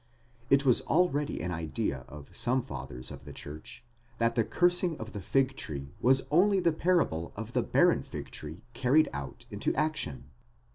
It was already an idea of some fathers of the church, that the cursing of the fig tree was only the parable of the barren fig tree carried out into action."!